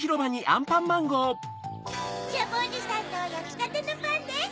ジャムおじさんのやきたてのパンです。